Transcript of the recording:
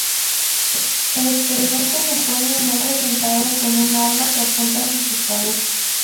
El experimento supone un hombre sentado con un arma que apunta hacia su cabeza.